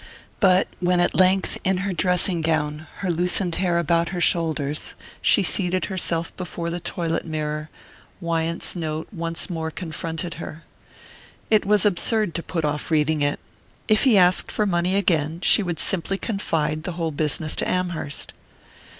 But when at length, in her dressing gown, her loosened hair about her shoulders, she seated herself before the toilet mirror, Wyant's note once more confronted her. It was absurd to put off reading it if he asked for money again, she would simply confide the whole business to Amherst.